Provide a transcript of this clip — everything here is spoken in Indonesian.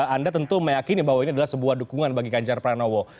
anda tentu meyakini bahwa ini adalah sebuah dukungan bagi ganjar pranowo